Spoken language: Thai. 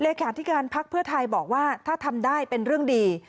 เลขาธิการพักเพื่อไทยบอกว่าถ้าทำได้เป็นเรื่องดี